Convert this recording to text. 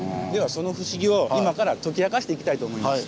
その不思議を今から解き明かしていきたいと思います。